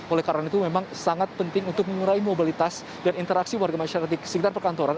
oleh karena itu memang sangat penting untuk mengurai mobilitas dan interaksi warga masyarakat di sekitar perkantoran